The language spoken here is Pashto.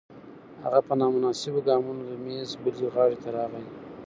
هغه په نامناسبو ګامونو د میز بلې غاړې ته راغی